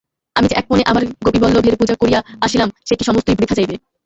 আমি যে একমনে আমার গোপীবল্লভের পূজা করিয়া আসিলাম সে কি সমস্তই বৃথা যাইবে!